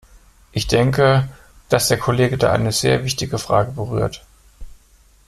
Ich denke, dass der Kollege da eine sehr wichtige Frage berührt.